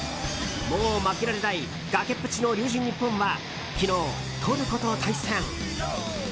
もう負けられない崖っぷちの龍神ＮＩＰＰＯＮは昨日、トルコと対戦。